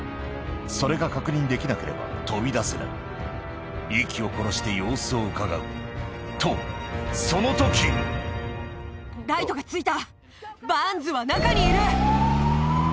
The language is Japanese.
それが確認できなければ飛び出せない息を殺して様子をうかがうとその時ライトが付いた！